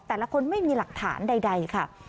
แต่ละคนไม่มีหลักฐานใดค่ะ